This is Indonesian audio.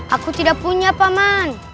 aku tidak punya paman